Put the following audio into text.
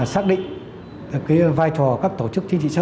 xác định vai trò các tổ chức chính trị xã hội